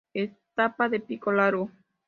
Espata de pico largo.